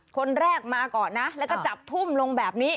คนแรกมาก่อนและจับทุ่มลงแบบนี้